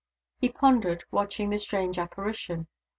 He pondered, watching the strange apparition.